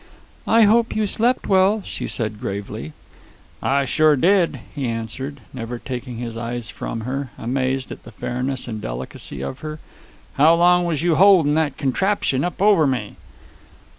"I hope you slept well," she said gravely. "I sure did," he answered, never taking his eyes from her, amazed at the fairness and delicacy of her. "How long was you holdin' that contraption up over me?"